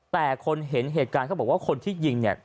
แต่คนเห็นเหตุการณ์เขาบอกว่าคนที่ยิงเนี่ย